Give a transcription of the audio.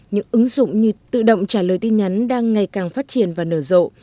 những ứng dụng như tự động trả lời tin nhắn đang ngày càng phát triển và nở rộ